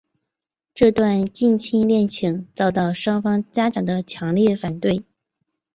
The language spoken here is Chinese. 这段近亲恋情遭到双方家长的强烈反对。